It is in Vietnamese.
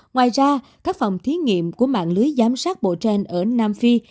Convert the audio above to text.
ngoài ra các phòng thí nghiệm của mạng lưới giám sát bộ gen ở nam phi